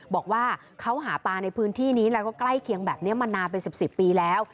บอกว่าเขาหาปลาในพื้นที่นี้แล้วก็ใกล้เคียงแบบนี้มานานเป็น๑๐ปีแล้ว